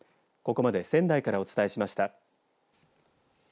ここまで仙台からお伝えしました。